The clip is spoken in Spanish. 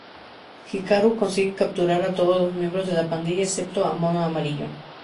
Hikaru consigue capturar a todos los miembros de la pandilla excepto a Mono Amarillo.